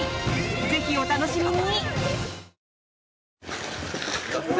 ぜひお楽しみに！